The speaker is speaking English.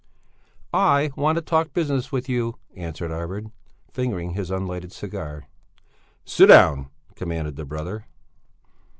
"I want to talk business with you," answered Arvid, fingering his unlighted cigar. "Sit down!" commanded the brother.